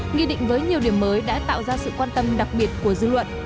nghị định với nhiều điểm mới đã tạo ra sự quan tâm đặc biệt của dư luận